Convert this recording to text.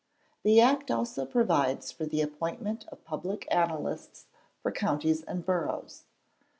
The Act also provides for the appointment of public analysts for counties and boroughs.